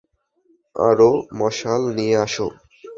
আরোও মশাল নিয়ে আসো!